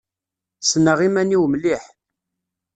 Ssneɣ iman-iw mliḥ.